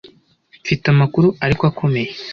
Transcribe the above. Mfite amakuru ariko akomeye.